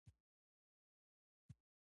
کمپیوټر د معلوماتو ذخیره ده